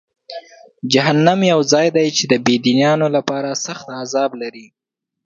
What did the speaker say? جهنم یو ځای دی چې د بېدینانو لپاره سخت عذاب لري.